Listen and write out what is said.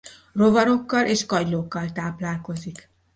Rovarokkal és kagylókkal táplálkozik.